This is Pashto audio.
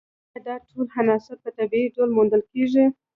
ایا دا ټول عناصر په طبیعي ډول موندل کیږي